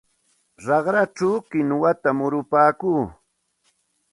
Raqrachaw kinwata murupaakuu.